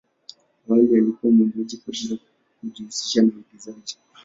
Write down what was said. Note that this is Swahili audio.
Awali alikuwa mwimbaji kabla ya kujihusisha na uigizaji.